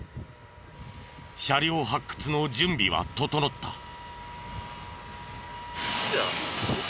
車両発掘の準備は整った。